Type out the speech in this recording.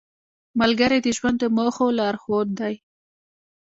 ملګری د ژوند د موخو لارښود دی